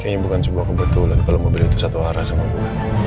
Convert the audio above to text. kayaknya bukan sebuah kebetulan kalau mobil itu satu arah sama gue